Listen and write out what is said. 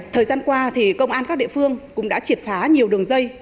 thời gian qua công an các địa phương cũng đã triệt phá nhiều đường dây